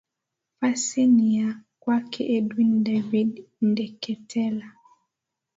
fasi ni ya kwake edwin david ndeketela